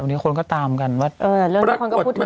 วันนี้คนก็ตามกันว่า